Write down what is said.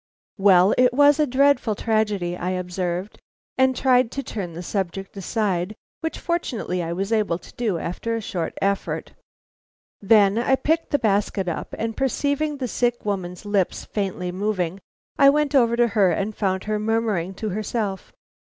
"Well, it was a dreadful tragedy!" I observed, and tried to turn the subject aside, which fortunately I was able to do after a short effort. Then I picked the basket up, and perceiving the sick woman's lips faintly moving, I went over to her and found her murmuring to herself.